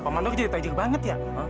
pak mandor jadi tajuk banget ya